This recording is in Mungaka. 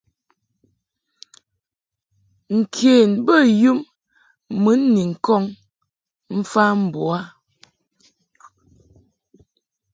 Nken bey um mun kɔŋ mfa mbo u a.